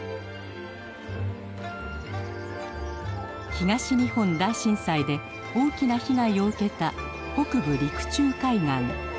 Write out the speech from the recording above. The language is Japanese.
東日本大震災で大きな被害を受けた北部陸中海岸。